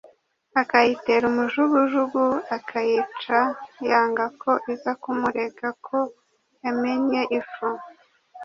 akayitera umujugujugu akayica yanga ko iza kumurega ko yamennye ifu,